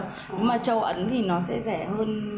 nếu mà châu ấn thì nó sẽ rẻ hơn